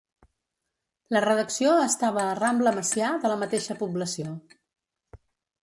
La redacció estava a Rambla Macià de la mateixa població.